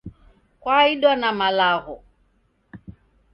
Kwaidwa na malagho